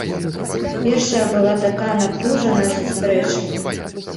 Першая была такая напружаная сустрэча.